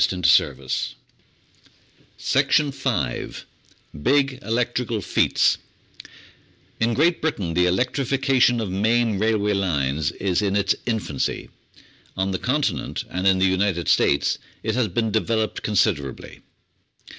Applied Science 807 M Big Electrical Feats In Great Britain the electrification of main railway lines is in its infancy. On the Continent and in the United States it has been developed considerably.